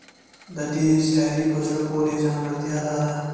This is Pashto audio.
د دې سیارې په زړه پورې ځانګړتیا دا ده